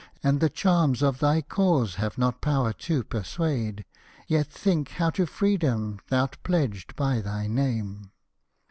And the charms of thy cause have not power to persuade, Yet think how to Freedom thou'rt pledged by thy Name.